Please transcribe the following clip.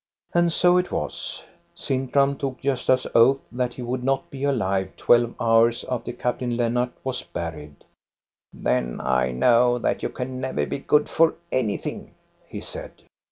And so it was. Sintram took Gosta's oath that he would not be alive twelve hours after Captain Lennart was buried. " Then I know that you can never be good for anything," he said.